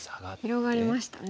広がりましたね。